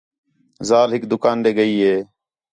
ذال ہِک دُکان ݙے ڳئی ہِے